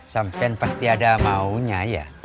sampain pasti ada maunya ya